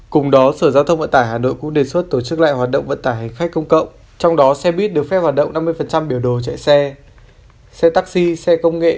cùng đó sở giao thông vận tải hà nội cũng đề xuất tổ chức lại hoạt động vận tải hành khách công cộng trong đó xe buýt được phép hoạt động năm mươi biểu đồ chạy xe taxi xe công nghệ